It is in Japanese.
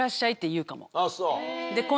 あっそう。